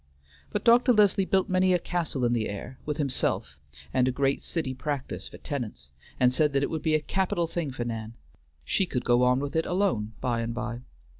But Dr. Leslie built many a castle in the air, with himself and a great city practice for tenants, and said that it would be a capital thing for Nan; she could go on with it alone by and by.